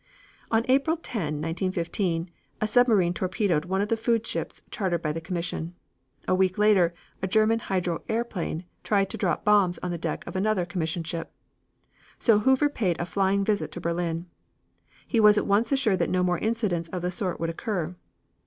On April 10, 1915, a submarine torpedoed one of the food ships chartered by the commission. A week later a German hydro airplane tried to drop bombs on the deck of another commission ship. So Hoover paid a flying visit to Berlin. He was at once assured that no more incidents of the sort would occur.